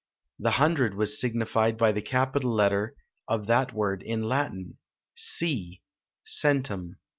The hundred was signified by the capital letter of that word in Latin, C centum.